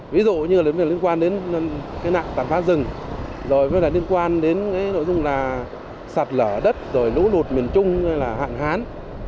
ví dụ như liên quan đến nạn tàn phát rừng rồi liên quan đến nội dung sạt lở đất lũ lụt miền trung hạn hán